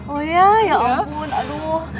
oh ya ya ampun